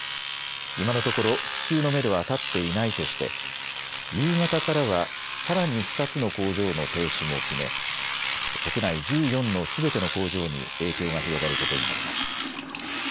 今のところ復旧のめどは立っていないとして夕方からはさらに２つの工場の停止も決め国内１４のすべての工場に影響が広がることになります。